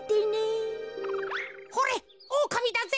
ほれっオオカミだぜ。